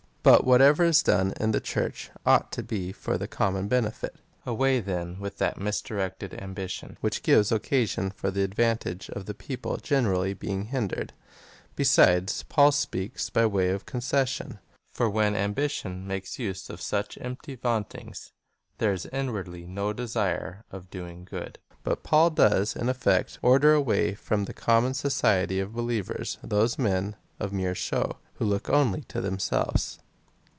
But whatever is done in the Church, ought to be for the common benefit. Away, then, with that misdirected ambition, which gives occasion for the advantage of the people generally being hindered ! Besides, Paul speaks by way of concession : for when ambition makes use of such empty vauntings,^ there is inwardly no desire of doing good ; but Paul does, in effect, order away from the common society of believers those men of mere show, Avho look only to themselves.